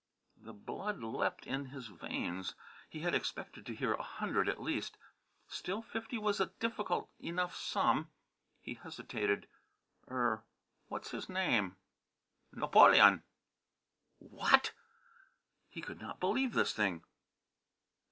The blood leaped in his veins. He had expected to hear a hundred at least. Still, fifty was a difficult enough sum. He hesitated. "Er what's his name?" "Naboleon." "What?" He could not believe this thing.